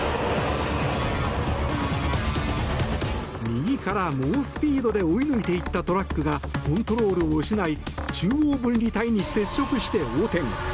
右から猛スピードで追い抜いていったトラックがコントロールを失い中央分離帯に接触して横転。